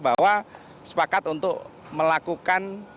bahwa sepakat untuk melakukan